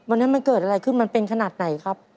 วันนั้นมันเกิดอะไรขึ้นมันเป็นขนาดไหนครับ